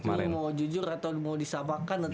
mau jujur atau mau disabangkan nanti